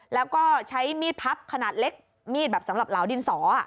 แล้วก็ใช้มีดพับขนาดเล็กมีดแบบสำหรับเหลาดินสอ